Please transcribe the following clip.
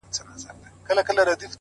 خو له تربوره څخه پور، په سړي خوله لگوي_